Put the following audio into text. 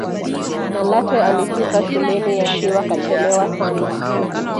malatwe alifika shuleni akiwa kachelewa sana